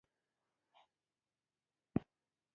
خپل رژیم یې سم باله